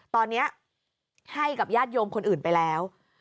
ตอนนี้ให้กับญาติโยมคนอื่นไปแล้ว